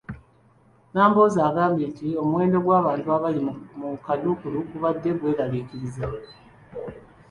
Nambooze agambye nti omuwendo gw'abantu abali mu kaduukulu gubadde gweraliikiriza.